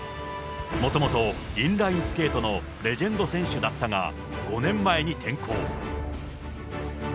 もともとインラインスケートのレジェンド選手だったが５年前に転向。